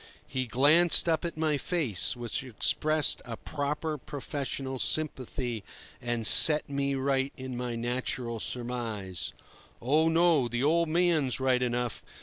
He glanced up at my face, which expressed a proper professional sympathy, and set me right in my natural surmise: "Oh no; the old man's right enough.